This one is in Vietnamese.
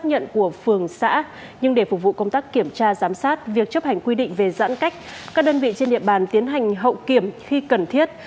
nhưng để phục vụ công tác kiểm tra giám sát việc chấp hành quy định về giãn cách các đơn vị trên địa bàn tiến hành hậu kiểm khi cần thiết